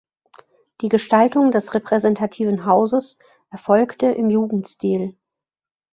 Die Gestaltung des repräsentativen Hauses erfolgte im Jugendstil.